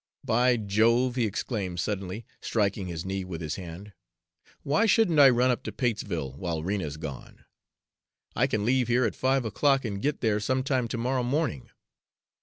"By Jove!" he exclaimed suddenly, striking his knee with his hand, "why shouldn't I run up to Patesville while Rena's gone? I can leave here at five o'clock, and get there some time to morrow morning.